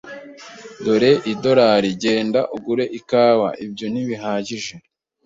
"Dore idorari. Genda ugure ikawa." "Ibyo ntibihagije."